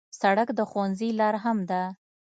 سړک د ښوونځي لار هم ده.